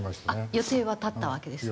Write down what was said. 予定は立ったわけですね。